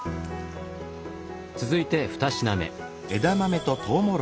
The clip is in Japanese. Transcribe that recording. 続いて２品目。